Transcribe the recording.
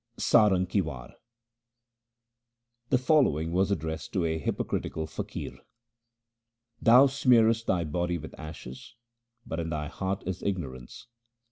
Sarang ki War The following was addressed to a hypocritical faqir :— Thou smearest thy body with ashes, but in thy heart is ignorance.